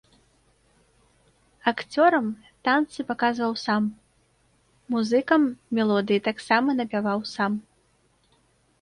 Акцёрам танцы паказваў сам, музыкам мелодыі таксама напяваў сам.